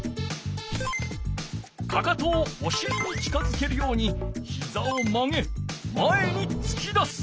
かかとをおしりに近づけるようにひざを曲げ前につき出す。